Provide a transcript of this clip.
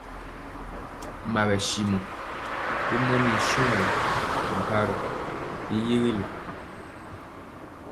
Mawɛtyimɔ y mɔmir shuanla bɛ mparoo y yɛgɛle.